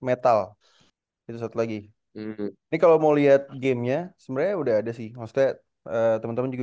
metal itu satu lagi ini kalau mau lihat gamenya sebenarnya udah ada sih maksudnya teman teman juga